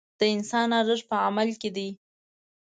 د انسان ارزښت په عمل کې دی.